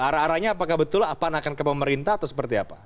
arah arahnya apakah betul pan akan ke pemerintah atau seperti apa